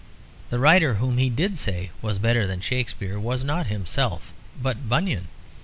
The writer whom he did say was better than Shakespeare was not himself, but Bunyan.